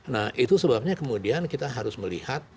nah itu sebabnya kemudian kita harus melihat